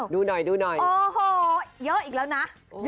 ดูหน่อยโอ้โฮเยอะอีกแล้วนะ